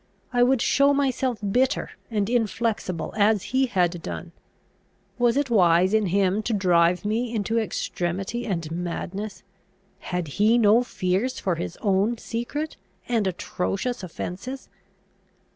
I would show myself bitter and inflexible as he had done. Was it wise in him to drive me into extremity and madness? Had he no fears for his own secret and atrocious offences?